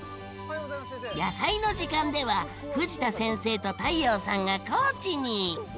「やさいの時間」では藤田先生と太陽さんが高知に！